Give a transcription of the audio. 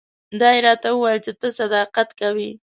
دا یې راته وویل چې ته صداقت کوې.